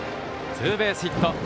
ツーベースヒット。